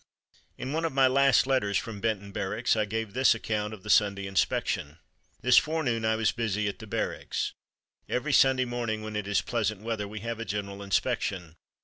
In one of my last letters from Benton Barracks I gave this account of the Sunday inspection: "This forenoon I was busy at the Barracks. Every Sunday morning when it is pleasant weather we have a general inspection.